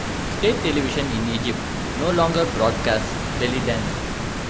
State television in Egypt no longer broadcasts belly dancing.